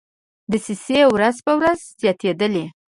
دسیسې ورځ په ورځ زیاتېدلې.